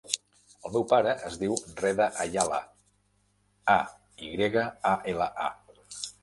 El meu pare es diu Reda Ayala: a, i grega, a, ela, a.